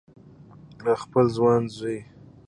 د خپل ځوان زوی